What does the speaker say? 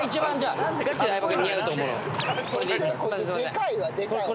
でかいわでかい。